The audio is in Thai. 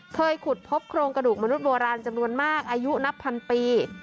เคยขุดพบโครงกระดูกมนุษย์โบราณจำนวนมากอายุนับพันปี